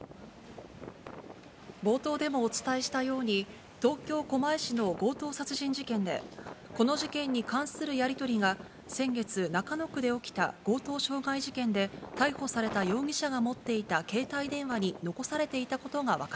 冒頭でもお伝えしたように、東京・狛江市の強盗殺人事件で、この事件に関するやり取りが先月、中野区で起きた強盗傷害事件で、逮捕された容疑者が持っていた携帯電話に残されていたことが分か